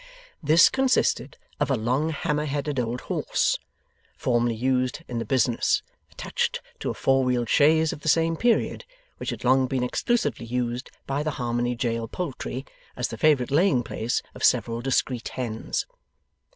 This consisted of a long hammer headed old horse, formerly used in the business, attached to a four wheeled chaise of the same period, which had long been exclusively used by the Harmony Jail poultry as the favourite laying place of several discreet hens.